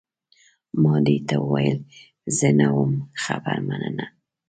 ما دې ته وویل، زه نه وم خبر، مننه.